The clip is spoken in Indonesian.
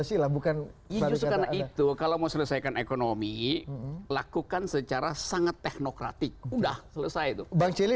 itu kalau mau selesaikan ekonomi lakukan secara sangat teknokratik udah selesai itu bang cili